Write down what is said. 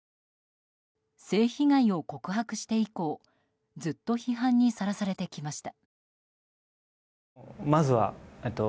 性被害を告白して以降ずっと批判にさらされてきました。